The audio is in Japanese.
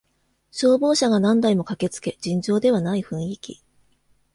消防車が何台も駆けつけ尋常ではない雰囲気